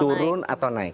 turun atau naik